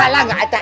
alah gak ada